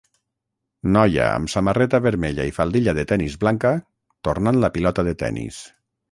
Noia amb samarreta vermella i faldilla de tenis blanca tornant la pilota de tenis.